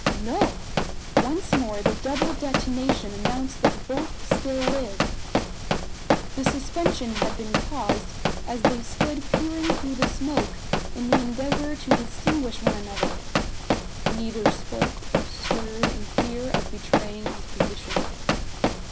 No! Once more the double detonation announced that both still lived. The suspension had been caused as they stood peering through the smoke in the endeavour to distinguish one another. Neither spoke or stirred in fear of betraying his position.